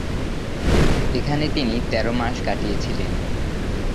এখানে তিনি তের মাস কাটিয়েছিলেন।